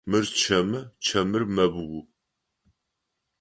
Мыр чэмы, чэмыр мэбыу.